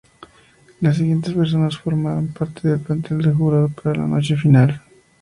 Las siguientes personas formaron parte del plantel de jurado para la noche final.